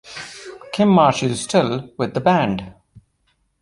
Kym Marsh is still with the band.